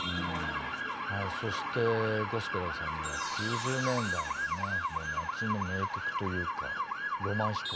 はいそしてゴスペラーズさんには９０年代の夏の名曲というか「浪漫飛行」